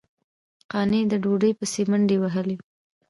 قانع د ډوډۍ پسې منډې وهلې.